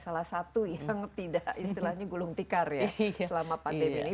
salah satu yang tidak istilahnya gulung tikar ya selama pandemi ini